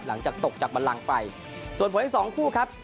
หลังจากตกจากบันลังไปส่วนผลอีกสองคู่ครับ